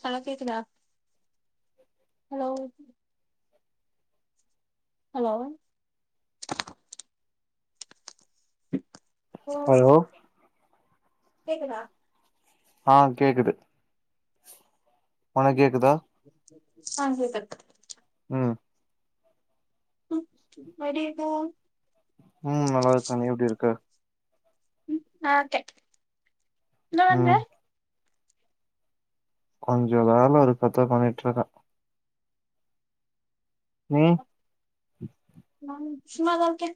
Hello கேக்குதா hello hello ஆ hello கேக்குதா ஆ கேக்குது உனக்கு கேக்குதா ஆ கேக்குது ம் ம் [unintelligible] ம் நல்லா இருக்கே நீ எப்டி இருக்க ம் நல்லாருக்கே என்ன ம் பண்ற? கொஞ்ச வேல இருக்கு அதா பண்ணிட்ருக்கே நீ? நானு சும்மாதா இருக்கே.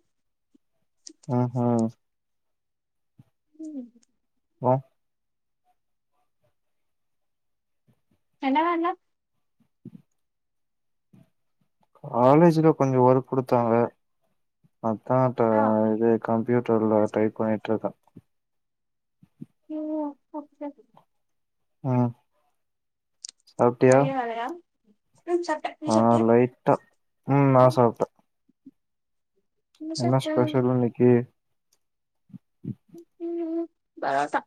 ஆ ஹா ம் அப்றோ? என்ன வேல? காலேஜுல கொஞ்ச ஒர்க் குடுத்தாங்க. அதா இப்ப ஆ இது கம்ப்யூட்டர்ல டைப் பண்ணிட்ருக்கே. [unintelligible] அப்ப செரி ஆ நெறைய வேலையா? ம் சாப்ட்டே நீ ஆ சாப்ட்டியா லைட்டா. ம் நா சாப்ட்டே. என்ன ஸ்பெஷல் இன்னக்கி? ம் ம் பரோட்டா.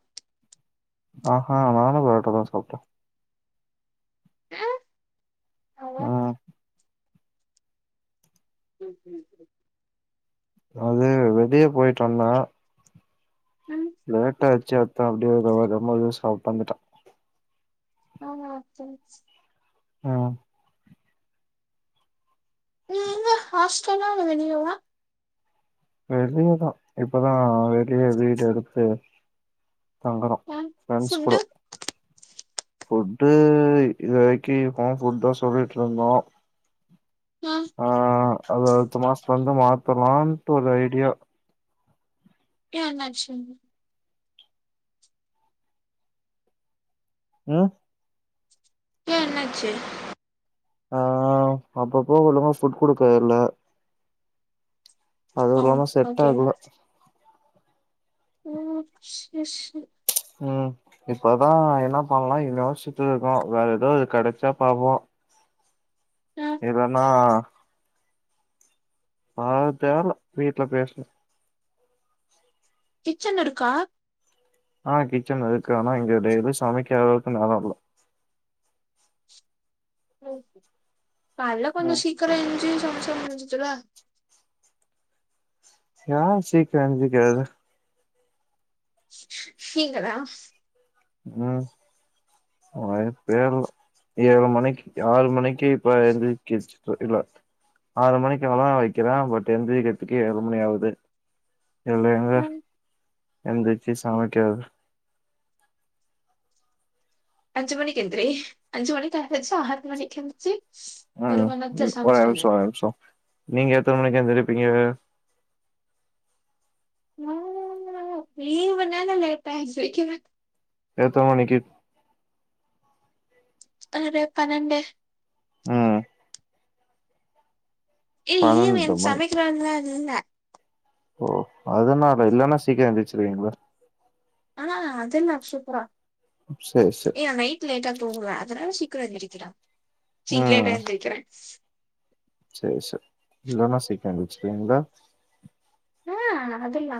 ஆஹ்ஹா நானு பரோட்டாதா சாப்ட்டே. ஆ ஆ [unintelligible] அது வெளிய போயிட்டு வந்தே ம் லேட்டாயிட்ச்சு அதா அப்டியே [unintelligible] எதோ சாப்ட்டு வந்துட்டே ஆஹா சேரி சே ஆமா நீ எங்க ஹாஸ்டலா இல்ல வெளியவா? வெளியதா இப்பதா வெளிய வீடு எடுத்து தங்கறோ ஏ ஃப்ரெண்ட்ஸ் ஃபுட்டு கூடோ ஃபுட்டு இது வரைக்கு ஹோம் ஃபுட்தா சொல்லிட்ருந்தோ ஏ ஆ அது அடுத்த மாச த்துல இருந்து மாத்தலான்ட்டு ஒரு ஐடியா. யேன் என்னாச்சு அது? ம் ஏ என்னாச்சி ஆ அப்ப போகலு ஃபுட் குடுக்க இல்ல அது ஓ இல்லாம செட் ஆகல ம் செரி செரி ம் இப்பதான் என்ன பண்ணலா யோசிட்டு இருக்கோம் வேற எதோ கெடைச்சா பாப்போம் ஆ எதனா ப தெர்ல வீட்ல பேசனு கிச்சன் இருக்கா ஆ கிச்சன் இருக்கு ஆனா இங்க டெய்லி சமைக்கர அளவுக்கு நேரம் இல்ல ம் கால்ல கொஞ்சம் ம் சீக்கிரம் ஏஞ்சி கொஞ்சம் முஞ்சிச்சி இல்ல யார் சீக்கிரம் எந்திக்கிறது நீங்கதா ம் வாய்ப்பே இல்ல ஏழு மணிக்கு ஆறு மணிக்கு இப்ப எந்திருக்கி இல்ல ஆறு மணிக்கு அலாரம் வக்கிறேன் பட் எந்திரிக்கிறதுக்கே ஏழு மணி ஆவுது இதுல எங்க ம் எந்திரிச்சி சமைக்கறது அஞ்சி மணி எந்திரி அஞ்சு மணிக்கு அலாரம் வச்சா ஆறுமணிக்கு எந்திச்சி என்னாது ஒரே நிமிஷம் ஒரே நிமிஷம் நீங்க எத்தன மணிக்கு எந்திரி ப்பிங்க நாங்க லீவு நாள்ல லேட்டா எந்திரிக்குவ எத்தன மணிக்கு ஒரு பன்னண்டு ம் ஏ லீவு பன்னெண்டு எனக்கு மணி சமைக்கிற வேலலா இல்ல ஓ அதனால இல்லன்னா சீக்கிரம் எந்திருச்சிருவிங்களோ ஆ அது எல்லா சூப்பரா சேரி சேரி ஏ நா நைட் லேட்டா தூங்குவ அதனால சீக் க நெரிக்கிரா சீக்ரெட்டா எந்திரிக்கிறே செரி செ இல்லன்னா சீக்கிர எந்திரிச்சிருவிங்களா ஆ அதுல்லா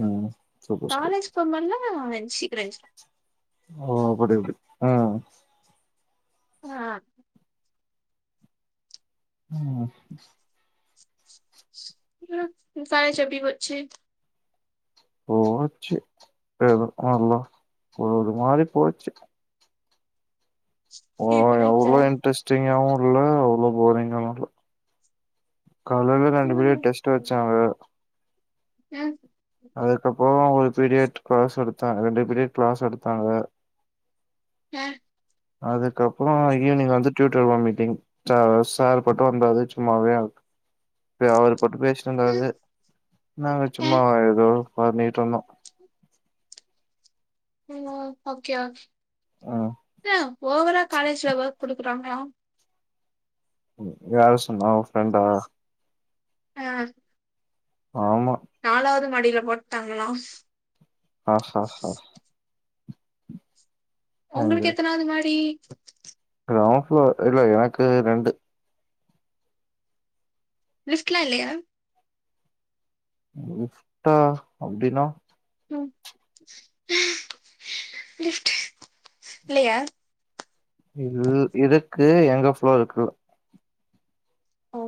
ம் சூப்பர் சூப்பர் காலேஜ் போமோதெல்ல சீக்கிர எஞ்சி ஓ அபடி அப்டி ஆ ஆ ம் ம் இன்னிக் காலேஜ் எப்டி போச்சு போச்சு ஏதோ நல்லா ஒரு ஒரு மாரி போச்சு ஓ அவ்ளோ இன்ட்ரெஸ்டிங்காவு [unintelligible] இல்ல அவ்ளோ போரிங்காவு இல்ல காலைல ரெண்டு பீரியட் டெஸ்ட்டு வச்சாங்க [unintelligible] அதுக்கப்புறோ ஒரு பீரியட் க்ளாஸ் எடுத்தா ரெண்டு பீரியட் கிளாஸ் எடுத்தாங்க ம் அதுக்கப்புறொ ஈவ்னிங் வந்து டியூட்டர் வா மீட்டிங் சா சார் பட்டு வந்தாரு சும்மாவே வே அவரு போட்டு பேசிட்ருந்தாரு நாங்க சும்மா ஏதோ பண்ணிட்ருந்தோ என்னா ஓகே ஓகே ம் [unintelligible] ஓவரா காலேஜ்ல ஒர்க் குடுக்கு றாங்ளா யாரு சொன்னா ஒ ஃப்ரெண்டா ஆ ஆமா நாலாவது மாடில போட்டாங்களா? ஆ ஹ ஹ ஹ உங்களுக்கு எத்தனாவ்து மாடி [inaudible] [unintelligible] இல்ல எனக்கு ரெண்டு லிஃப்ட்லா இல்லயா லிஃப்டா அப்டின்னா? ம் லிஃப்ட்டு இல்லயா இல் இரு க்கு எங்க ஃப்ளோருக் இல்ல ஓ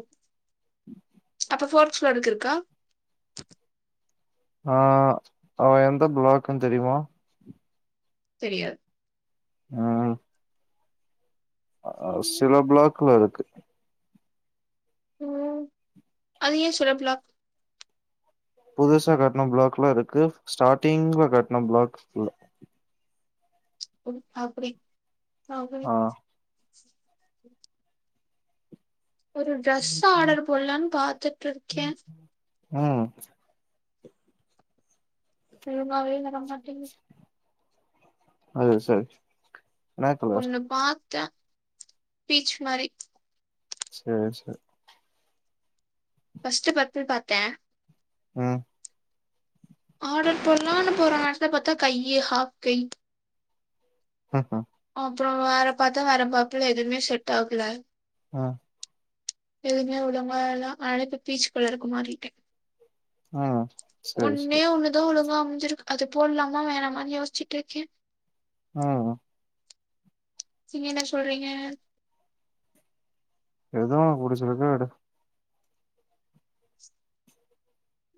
[inaudible] அப்ப ஃபோர்த் ப்ளோருக்கு இருக்கா? ஆ அவ எந்த பிளாக்குன் தெரியுமா? தெரியாது ஆ அ சில ப்ளாக்ல இரு ம் அது ஏன் சில பிளாக் புதுசா கட்ன பிளாக்லா இருக்கு ஸ்டார்ட்டிங்ல கட்ன பிளாக் இல்ல ஓ அப்டி அப்டி [inaudible] ஆ ஒரு ட்ரஸு ஆடர் போடலான்னு பாத்துட்டு இருக்கே ம் ஒழுங்காவே வரமாட்டிங்குது அது சரி என்ன கலர் ஒன்னு பாத் த பீச்சி மாரி சேரி சேரி பஸ்ட்டு பர்பில் பாத்தன் ம் ஆடர் போடலான்னு போற நேரத்தல பாத்தா கையி ஹாஃப் கை ஆ ஆ அப்றோ வேற பாத்தா வேற பப்புல எதுவுமே செட்டாகல ஆ எதுவுமே ஒழுங்கா இல்ல அதனால இப்ப பீச் கலருக்கு மாறிட்டன் ம் சேரி சேரி ஒன்னே ஒண்ணுதா ஒழுங்கா முஞ்சிருக்கு அது போடலாம வேணாமனு யோசிச்சிட்டு இருக்க ஆ நீங்க என்ன சொல்றீங்க எது ஒனக்கு புடிச்சிருக்கோ எடு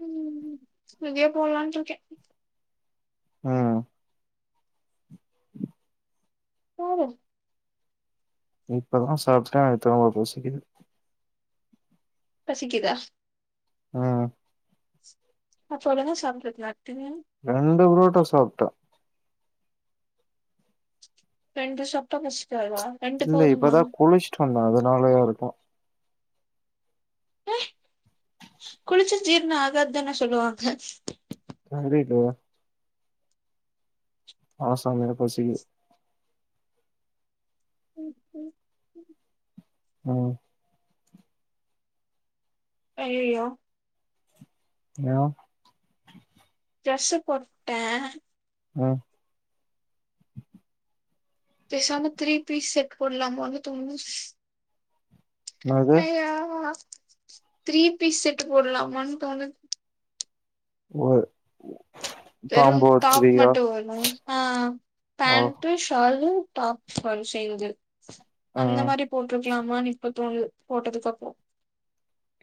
ம் ம் இதே போலான்ட்டுருக்கே ம் [inaudible] போதும் இப்பதா சாப்ட்ட திரும்ப பசிக்குது பசிக்குதா ஆ அப்பதான சாப்ட்டிருந்த டினியோ து புரோட்டா சாப்ட்ட ரெண்டு ஷாப் தா பஸ் இல்ல இப்பதா குளிச்சிட்டு வந்த அதனாலயா இருக்கும் ஏ குளிச்சா ஜீரணோ ஆகாதான சொல்லுவாங்க தெரிலோ ஆனா செமயா பசிக்கி ம் ம் ம் ம் அய்யயோ ஏ ட்ரெஸ்ஸு போட்டுட்ட ஆ பேசாம த்ரீ பீஸ் செட் போடுலாமோன்னு தோணுது அய்யோ த்ரீ பீஸ் செட்டு போடலாமானு தோணுது போடு வெறும் டாப் மட்டு வருமா ஆ பேண்ட்டு ஷாலு டாப் ஃபன்செய்ந்து அந்த மாரி போட்ரு க்கலாமானு இப்ப தோணுது போட்டதுக்கு அப்றோம்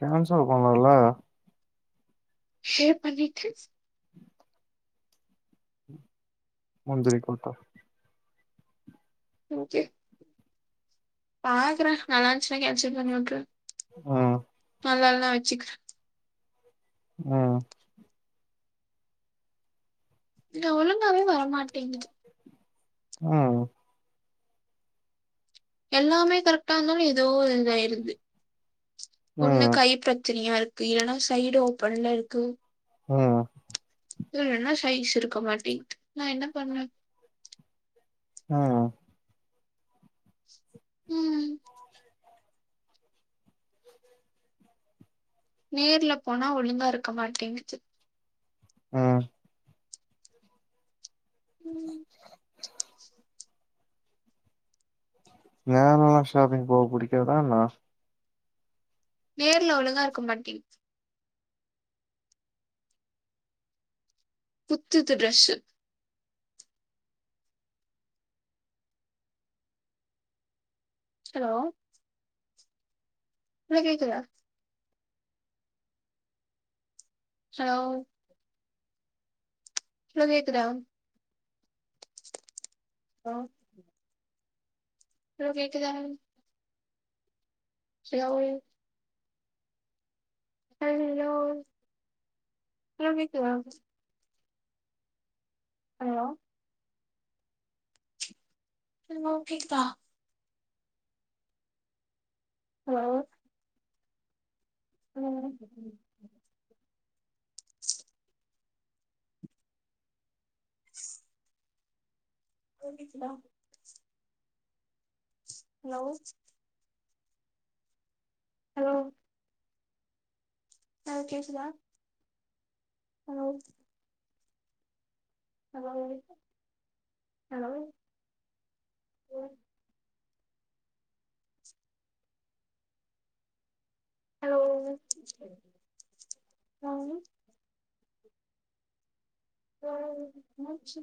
கேன்சல் பண்லா இல்ல ஷேவ் பண்ணிடுச்சி முந்திரி கொட்ட ஓகே பாக்கறேன் நல்லா இருந்துச்சின்னா கேன்சல் பண்ணிவுட்ருவ ஆ நல்லா இல்லனா வச்சிக்கிற ம் இதுல ஒழுங்காவே வர மாட் டிங்கிது ஆ எல்லாமே கரெட்டாந்தாலு ஏதோ ஒரு இதாயிருது ஒண்ணு ம் கை பிரச்சனையா இருக் கு இல்லன்னா சைடு ஓபன்ல இருக்கு ஆ இல்லன்னா சைஸ் இருக்க மாட்டிக்கிது நான் என்ன பண்ணுவ ம் ம் நேர்ல போனா ஒழுங்கா இருக்க மாட்டேங்கிது ஆ ம் நேர்ல ஷாப்பிங் போவ புடிக்காதா என்னா நேர்ல ஒழுங்கா இருக்க மாட்டிகிது குத்துது ட்ரெஸு ஹலோ ஹலோ கேக்குதா ஹலோ இப்ப கேக்குதா ஹலோ இப்ப கேக்குதா ஹலோ ஹலோ டூ வீக்ஸ் ஏதாவது ஹலோ ஹலோ கேக்குதா ஹலோ [unintelligible] ஹலோ கேக்குதா ஹலோ ஹலோ ஆ கேக்குதா hello hello hello yes hello hello ஆ மூச்சு